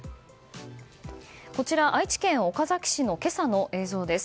こちら、愛知県岡崎市の今朝の映像です。